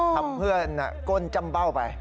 เพื่อนก้นจำเบ้าไป